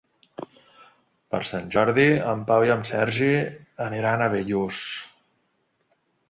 Per Sant Jordi en Pau i en Sergi aniran a Bellús.